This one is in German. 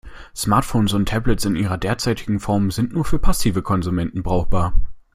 Smartphones und Tablets in ihrer derzeitigen Form sind nur für passive Konsumenten brauchbar.